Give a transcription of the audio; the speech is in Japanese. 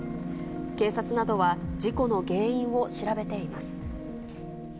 警察などは、事故の原因を調べています。